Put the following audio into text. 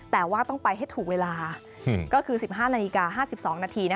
แต่ว่าต้องไปให้ถูกเวลาก็คือ๑๕นาฬิกา๕๒นาที